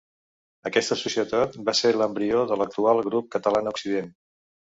Aquesta societat va ser l'embrió de l'actual Grup Catalana Occident.